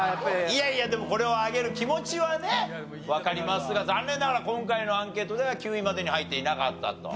いやいやでもこれを挙げる気持ちはねわかりますが残念ながら今回のアンケートでは９位までに入っていなかったと。